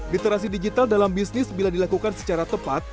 literasi digital dalam bisnis bila dilakukan secara tepat